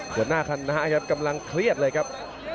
หัวหน้าคณะครับกำลังเครียดเลยครับ